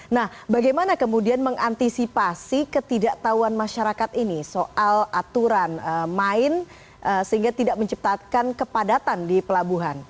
nah bagaimana kemudian mengantisipasi ketidaktahuan masyarakat ini soal aturan main sehingga tidak menciptakan kepadatan di pelabuhan